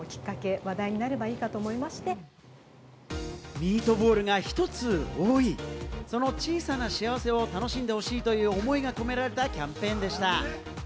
ミートボールが１つ多い、その小さな幸せを楽しんでほしいという思いが込められたキャンペーンでした。